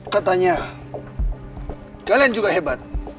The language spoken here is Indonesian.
katanya kalian juga hebat